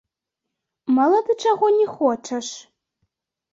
Мала ты чаго не хочаш.